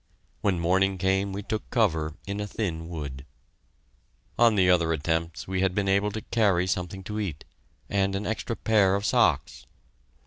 When morning came we took cover in a thin wood. On the other attempts we had been able to carry something to eat, and an extra pair of socks.